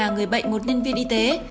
và người bệnh một nhân viên y tế